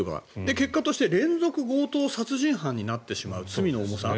結果として連続強盗殺人犯になってしまう罪の重さ。